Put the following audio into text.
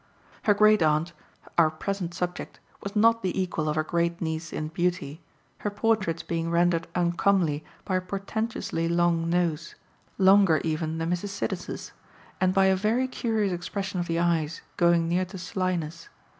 Her great aunt, our present subject, was not the equal of her great niece in beauty, her portraits being rendered uncomely by a portentously long nose, longer even than Mrs. Siddons's, and by a very curious expression of the eyes, going near to slyness.